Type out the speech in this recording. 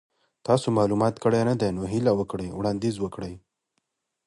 ستاسو مالومات کره ندي نو هیله وکړئ وړاندیز وکړئ